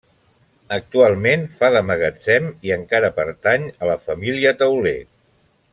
Actualment fa de magatzem i encara pertany a la família Tauler.